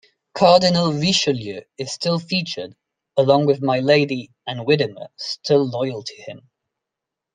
Cardinal Richelieu is still featured, along with Milady, and Widimer still loyal to him.